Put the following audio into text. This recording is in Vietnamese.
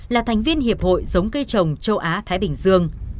là thành viên hiệp hội giống cây trồng châu á thái bình dương